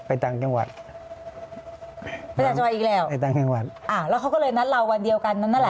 ไปต่างกังวัดอีกแล้วไปต่างกังวัดอ้าวแล้วเขาก็เลยนัดเราวันเดียวกันนั่นแหละ